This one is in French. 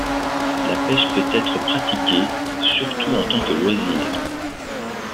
La pêche peut être pratiquée, surtout en tant que loisir.